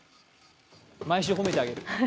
毎週、褒めてあげる。